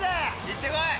行って来い！